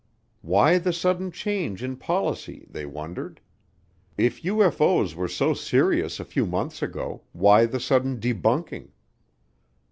Why the sudden change in policy they wondered? If UFO's were so serious a few months ago, why the sudden debunking?